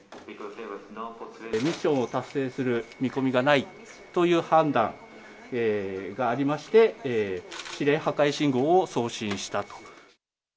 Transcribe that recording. ミッションを達成する見込みがないという判断がありまして、指令破壊信号を送信したと。